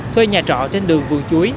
thuê nhà trọ trên đường vườn chuối